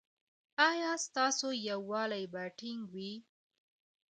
ایا ستاسو یووالي به ټینګ وي؟